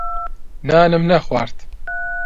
نانم نەخوارد.